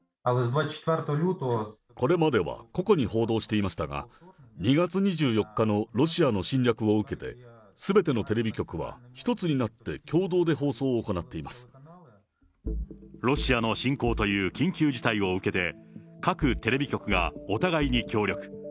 これまでは個々に報道していましたが、２月２４日のロシアの侵略を受けて、すべてのテレビ局は一つになって共同で放送を行っロシアの侵攻という緊急事態を受けて、各テレビ局がお互いに協力。